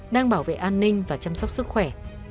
đang bảo vệ an ninh và chăm sóc sức khỏe